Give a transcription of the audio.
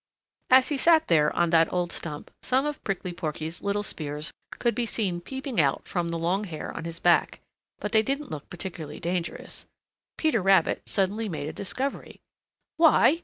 As he sat there on that old stump some of Prickly Porky's little spears could be seen peeping out from the long hair on his back, but they didn't look particularly dangerous. Peter Rabbit suddenly made a discovery. "Why!"